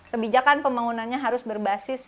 kebijakan pembangunannya harus berbasis